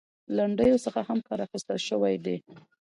لنډيو څخه هم کار اخيستل شوى دى .